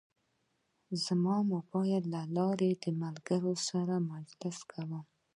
زه د موبایل له لارې د ملګرو سره مجلس کوم.